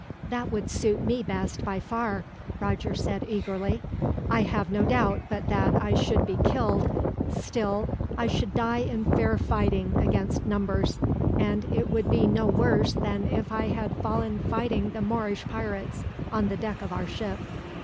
"That would suit me best, by far," Roger said eagerly. "I have no doubt but that I should be killed, still, I should die in fair fighting against numbers; and it would be no worse than if I had fallen fighting the Moorish pirates, on the deck of our ship."